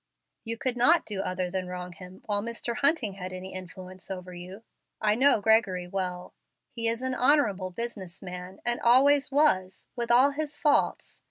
"You could not do other than wrong him while Mr. Hunting had any influence over you. I know Mr. Gregory well. He is an honorable business man, and always was, with all his faults.